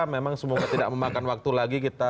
memang semoga tidak memakan waktu lagi kita